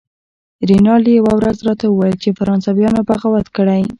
رینالډي یوه ورځ راته وویل چې فرانسویانو بغاوت کړی.